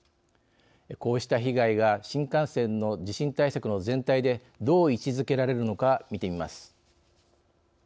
こうした被害が新幹線の地震対策の全体でどう位置づけられるのかみてみます。